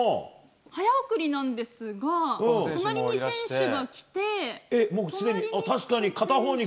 早送りなんですが、隣に選手が来て、隣に。